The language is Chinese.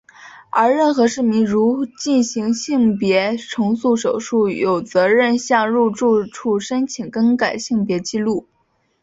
而任何市民如进行性别重塑手术有责任向入境处申请更改性别纪录。